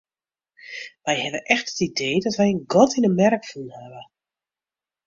Wy hawwe echt it idee dat wy in gat yn 'e merk fûn hawwe.